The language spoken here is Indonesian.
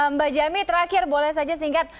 mbak jami terakhir boleh saja singkat